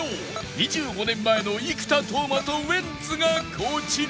２５年前の生田斗真とウエンツがこちら